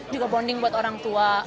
juga bonding buat orang tua